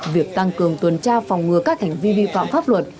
việc tăng cường tuần tra phòng ngừa các hành vi vi phạm pháp luật